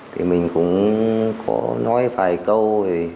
thì mình cũng có nói vài câu